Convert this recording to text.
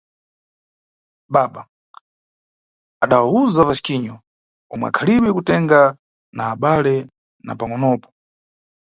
Baba – adawuza Vasquinho omwe akhalibe kutengana na abale na pangʼonopo.